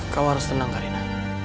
kau harus tenang karina